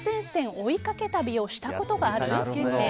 追いかけ旅をしたことがある？です。